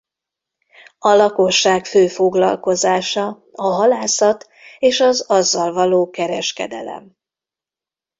A lakosság fő foglalkozása a halászat és az azzal való kereskedelem.